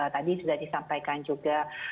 tadi sudah disampaikan juga